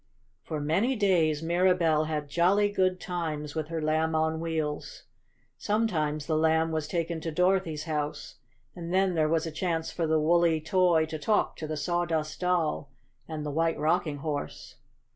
For many days Mirabell had jolly good times with her Lamb on Wheels. Sometimes the Lamb was taken to Dorothy's house, and then there was a chance for the woolly toy to talk to the Sawdust Doll and the White Rocking Horse.